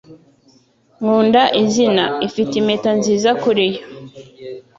Nkunda izina . Ifite impeta nziza kuri yo.